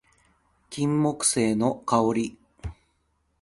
金木犀の香り